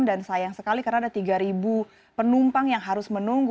dan sayang sekali karena ada tiga penumpang yang harus menunggu